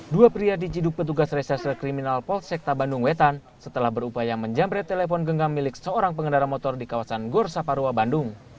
dua pria diciduk petugas reserse kriminal polsekta bandung wetan setelah berupaya menjamret telepon genggam milik seorang pengendara motor di kawasan gor saparua bandung